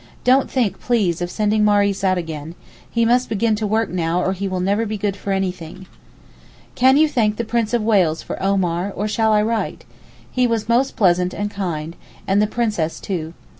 Don't think please of sending Maurice out again, he must begin to work now or he will never be good for anything. Can you thank the Prince of Wales for Omar, or shall I write? He was most pleasant and kind, and the Princess too.